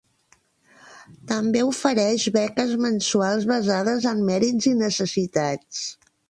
També ofereix beques mensuals basades en mèrits i necessitats.